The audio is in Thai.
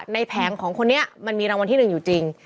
มันทั้งของคนนี้มันมีรางวัลที่๐จริง